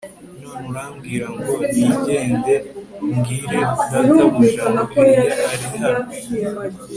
None urambwira ngo ningende mbwire databuja ngo Eliya ari hano